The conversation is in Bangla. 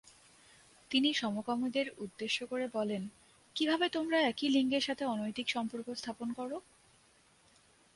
তিনি সমকামীদের উদ্দেশ্য করে বলেনঃ ‘কিভাবে তোমরা একই লিঙ্গের সাথে অনৈতিক সম্পর্ক স্থাপন করো?